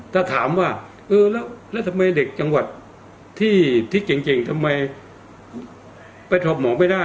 ถ้าถามว่าเออแล้วทำไมเด็กจังหวัดที่เก่งทำไมไปถอดหมอไม่ได้